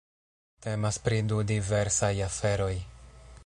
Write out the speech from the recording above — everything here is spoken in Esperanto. Temas pri du diversaj aferoj.